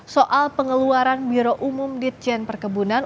soal pengeluaran biro umum ditjen perkebunan